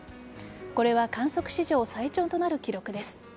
これは観測史上最長となる記録です。